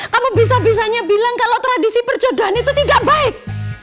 kamu bisa bisanya bilang kalau tradisi percodahan itu tidak baik